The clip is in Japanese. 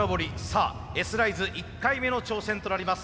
さあＳライズ１回目の挑戦となります。